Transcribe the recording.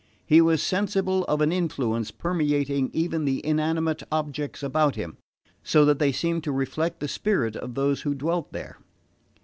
He was sensible of an influence permeating even the inanimate objects about him, so that they seemed to reflect the spirit of those who dwelt there.